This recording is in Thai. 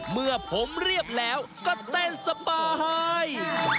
เมื่อผมเรียบแล้วก็เต้นสบาย